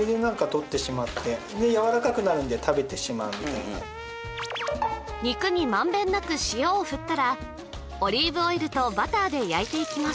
僕は肉に満遍なく塩を振ったらオリーブオイルとバターで焼いていきます